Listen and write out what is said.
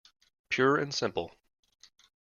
Pure and simple.